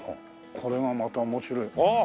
これはまた面白いああ！